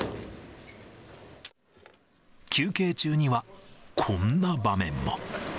休憩中にはこんな場面も。